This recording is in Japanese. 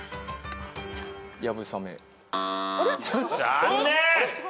残念！